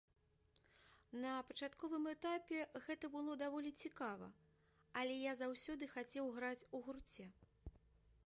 На пачатковым этапе гэта было даволі цікава, але я заўсёды хацеў граць у гурце.